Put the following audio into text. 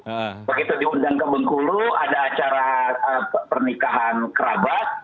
begitu diundang ke bengkulu ada acara pernikahan kerabat